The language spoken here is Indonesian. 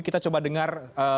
kita coba dengar